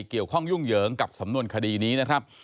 เกี่ยวข้องยุ่งเหยิงกับสำนวนคดีนี้นะครับ